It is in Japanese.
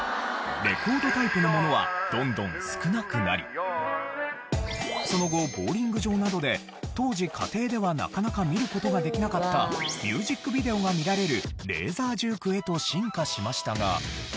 レコードタイプのものはどんどん少なくなりその後ボウリング場などで当時家庭ではなかなか見る事ができなかったミュージックビデオが見られるレーザージュークへと進化しましたが。